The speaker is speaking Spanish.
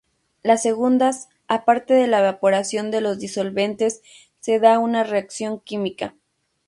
Las segundas, aparte de la evaporación de los disolventes, se da una reacción química.